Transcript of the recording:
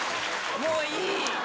もういい！